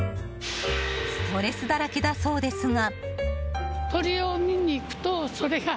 ストレスだらけだそうですが。